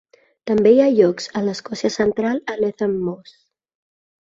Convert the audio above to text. També hi ha llocs a l'Escòcia Central a Letham Moss.